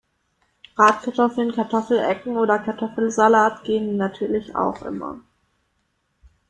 Bratkartoffeln, Kartoffelecken oder Kartoffelsalat gehen natürlich auch immer.